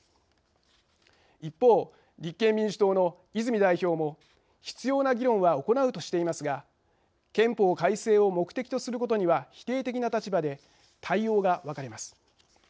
一方立憲民主党の泉代表も必要な議論は行うとしていますが憲法改正を目的とすることには否定的な立場で対応が分かれます。